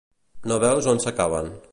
No veus on s'acaben.